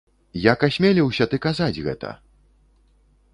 Як асмеліўся ты казаць гэта?